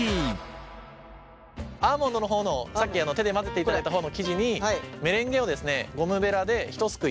アーモンドの方のさっき手で混ぜていただいた方の生地にゴムベラでひとすくい。